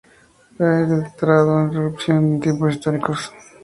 Ha entrado en erupción en tiempos históricos.